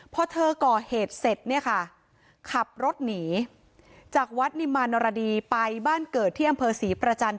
พอเธอก่อเหตุเสร็จเนี่ยค่ะขับรถหนีจากวัดนิมานรดีไปบ้านเกิดที่อำเภอศรีประจันท